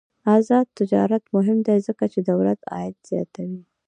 آزاد تجارت مهم دی ځکه چې دولت عاید زیاتوي.